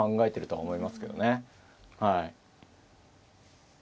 はい。